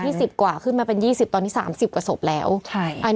เพื่อไม่ให้เชื้อมันกระจายหรือว่าขยายตัวเพิ่มมากขึ้น